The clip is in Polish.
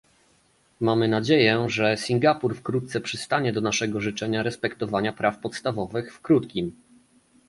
Mamy nadzieję, że Singapur wkrótce przystanie do naszego życzenia respektowania praw podstawowych w krótkim